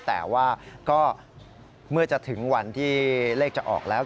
แต่ว่าก็เมื่อจะถึงวันที่เลขจะออกแล้ว